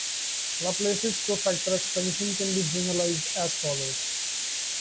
Laplaces cofactor expansion can be generalised as follows.